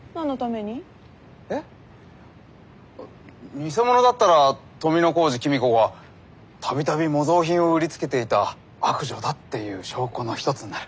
偽物だったら富小路公子が度々模造品を売りつけていた悪女だっていう証拠の一つになる。